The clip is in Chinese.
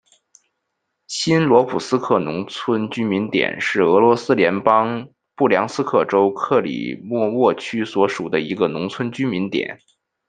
新罗普斯克农村居民点是俄罗斯联邦布良斯克州克利莫沃区所属的一个农村居民点。